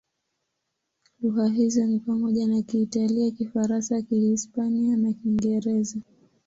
Lugha hizo ni pamoja na Kiitalia, Kifaransa, Kihispania na Kiingereza.